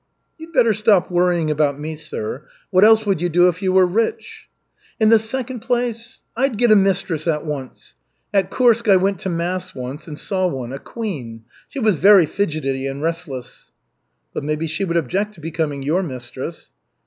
"You'd better stop worrying about me, sir. What else would you do if you were rich?" "In the second place, I'd get a mistress at once. At Kursk I went to mass once and saw one a queen! She was very fidgety and restless." "But maybe she would object to becoming your mistress."